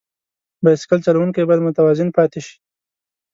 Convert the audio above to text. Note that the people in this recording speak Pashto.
بایسکل چلوونکی باید متوازن پاتې شي.